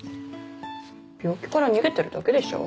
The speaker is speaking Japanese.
病気から逃げてるだけでしょ。